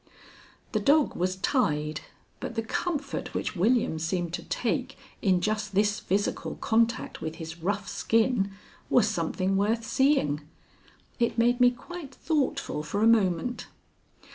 The dog was tied, but the comfort which William seemed to take in just this physical contact with his rough skin was something worth seeing. It made me quite thoughtful for a moment.